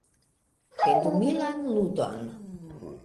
Pendumilan ludon.